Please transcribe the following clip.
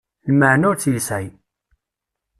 Lmeεna ur tt-yesεi.